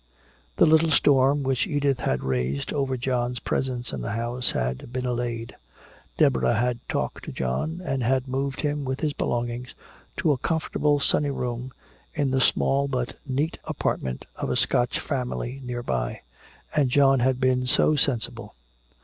The little storm which Edith had raised over John's presence in the house had been allayed. Deborah had talked to John, and had moved him with his belongings to a comfortable sunny room in the small but neat apartment of a Scotch family nearby. And John had been so sensible.